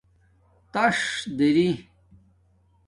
تݳس دری